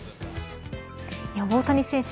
大谷選手